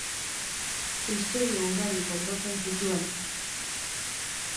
Istorio ugari kontatzen zituen.